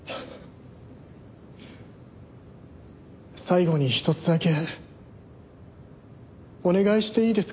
最後にひとつだけお願いしていいですか？